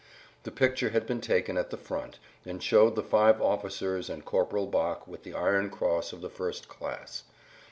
The picture had been taken at the front, and showed the five officers and Corporal Bock with the Iron Cross of the 1st. Class.